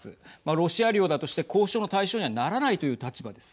ロシア領だとして交渉の対象にはならないという立場です。